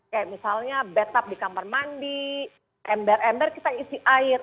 kayak misalnya bat up di kamar mandi ember ember kita isi air